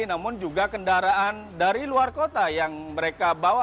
namun juga kendaraan dari luar kota yang mereka bawa